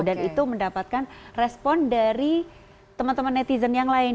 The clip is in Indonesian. dan itu mendapatkan respon dari teman teman netizen yang lain